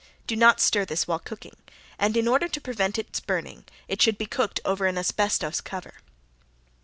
Do not stir this while cooking, and in order to prevent its burning it should be cooked over an asbestos cover.